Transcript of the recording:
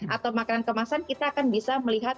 atau makanan kemasan kita akan bisa melihat